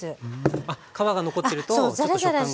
あっ皮が残ってるとちょっと食感が。